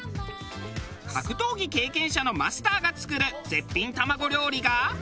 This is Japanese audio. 格闘技経験者のマスターが作る絶品卵料理が。